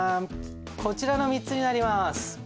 こちらの３つになります。